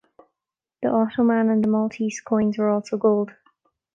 The Ottoman and the Maltese coins were also gold.